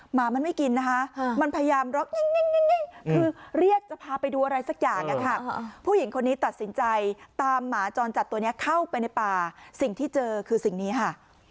หมามันไม่กินนะคะมันพยายามร็อกนิ่งคือเรียกจะพาไปดูอะไรสักอย่างผู้หญิงคนนี้ตัดสินใจตามหมาจรจัดตัวนี้เข้าไปในป่าสิ่งที่เจอคือสิ่งนี้ค่ะ